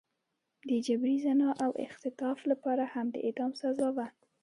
د جبري زنا او اختطاف لپاره هم د اعدام سزا وه.